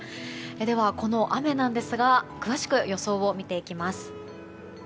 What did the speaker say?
では、この雨ですが詳しく予想を見ていきます。